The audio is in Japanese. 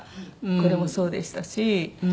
これもそうでしたし。